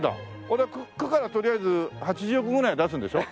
それで区からとりあえず８０億ぐらいは出すんでしょ？